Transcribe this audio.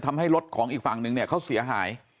ทำให้รถของอีกฝั่งนึงเนี่ยเขาเสียหาย